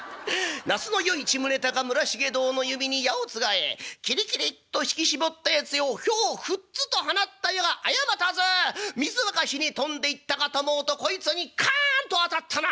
「那須与一宗隆村重籐の弓に矢をつがえきりきりっと引き絞ったやつをひょうふっつと放った矢が過ず水沸かしに飛んでいったかと思うとこいつにカンと当たったな。